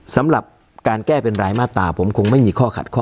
สำหรับการแก้เป็นรายมาตราผมคงไม่มีข้อขัดข้อ